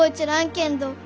けんど